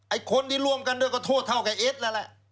คนที่ร่วมกันด้วยก็โทษเท่ากับเอ็ดนั่นแหละ